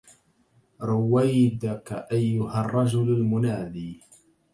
رويدك أيها الرجل المنادي